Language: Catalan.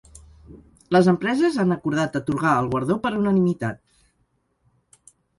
Les empreses han acordat atorgar el guardó per unanimitat